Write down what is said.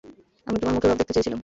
আমি তোমার মুখের ভাব দেখতে চেয়েছিলাম।